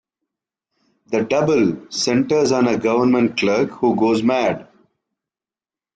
"The Double" centers on a government clerk who goes mad.